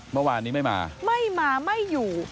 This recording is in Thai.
เมื่อวานนี้ไม่มาไม่มาไม่อยู่